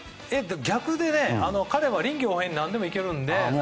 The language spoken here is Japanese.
逆でして彼は臨機応変に何でもいけるので。